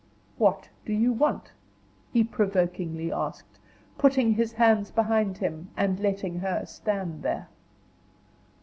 "What do you want?" he provokingly asked, putting his hands behind him, and letting her stand there.